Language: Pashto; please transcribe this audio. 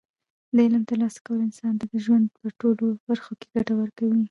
د علم ترلاسه کول انسان ته د ژوند په ټولو برخو کې ګټه ورکوي.